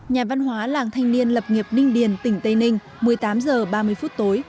nhà văn hóa làng thanh niên lập nghiệp ninh điền tỉnh tây ninh một mươi tám h ba mươi phút tối